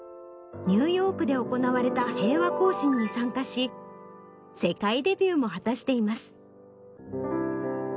ニューヨークで行われた平和行進に参加し世界デビューも果たしています。